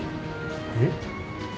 えっ？